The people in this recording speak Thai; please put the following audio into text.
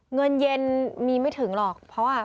เงินเย็นมีไม่ถึงหรอกเพราะว่า